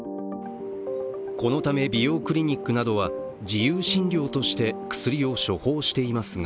このため、美容クリニックなどは自由診療として薬を処方していますが